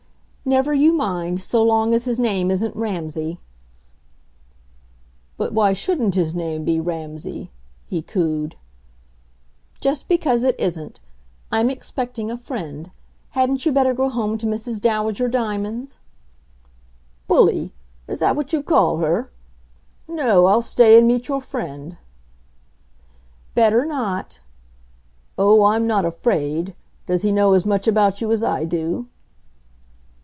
"Never you mind, so long as his name isn't Ramsay." "But why shouldn't his name be Ramsay?" he cooed. "Just because it isn't. I'm expecting a friend. Hadn't you better go home to Mrs. Dowager Diamonds?" "Bully! Is that what you call her? No, I'll stay and meet your friend." "Better not." "Oh, I'm not afraid. Does he know as much about you as I do?"